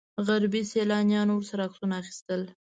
غربي سیلانیانو ورسره عکسونه اخیستل.